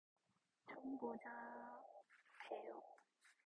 좀 복잡해요.